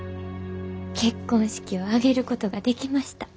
結婚式を挙げることができました。